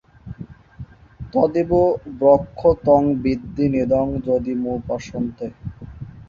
তদেব ব্রহ্ম ত্বং বিদ্ধি নেদং যদিদমুপাসতে।